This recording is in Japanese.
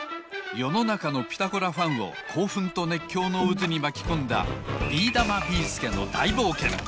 よのなかの「ピタゴラ」ファンをこうふんとねっきょうのうずにまきこんだ「ビーだま・ビーすけの大冒険」！